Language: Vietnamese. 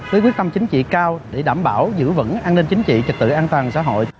với quyết tâm chính trị cao để đảm bảo giữ vững an ninh chính trị trật tự an toàn xã hội